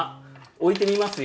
置いてみますよ。